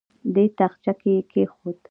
دې تاخچه کې یې کېښود.